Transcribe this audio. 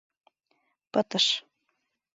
— Пытыш.